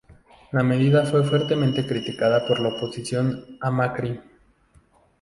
La medida fue fuertemente criticada por la oposición a Macri.